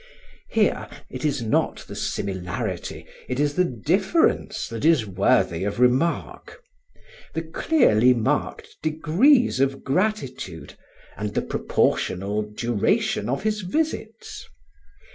Here, it is not the similarity, it is the difference, that is worthy of remark; the clearly marked degrees of gratitude and the proportional duration of his visits.